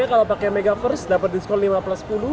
kalau pakai megaverse dapat diskon lima plus sepuluh